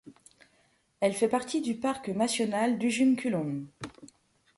Elle fait partie du parc national d'Ujung Kulon.